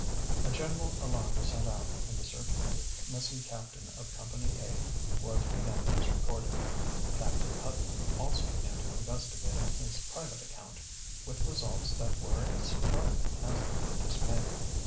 A general alarm was sent out, and the search for the missing captain of Company A was begun as recorded. Captain Putnam also began to investigate on his private account, with results that were as surprising as they were dismaying.